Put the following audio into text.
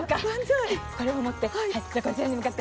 これを持って。